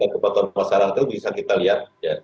kepatuhan masyarakat itu bisa kita lihat